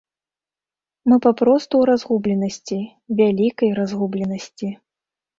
Мы папросту ў разгубленасці, вялікай разгубленасці.